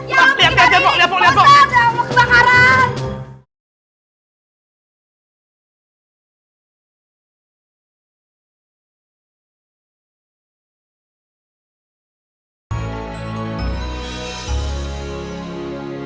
ya allah pergi pergi